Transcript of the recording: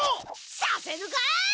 させるか！